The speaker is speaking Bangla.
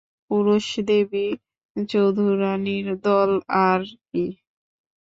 পুরুষ দেবী-চৌধুরানীর দল আর-কি।